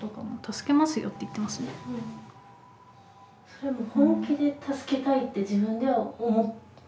それも本気で助けたいって自分では思ってる？